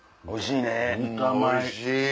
おいしい！